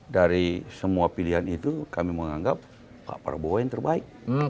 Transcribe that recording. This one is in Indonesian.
dari semua pilihan itu kami menganggap pak prabowo yang terbaik